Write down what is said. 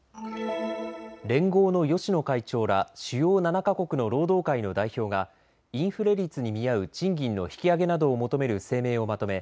連合の芳野会長ら主要７か国の労働界の代表がインフレ率に見合う賃金の引き上げなどを求める声明をまとめ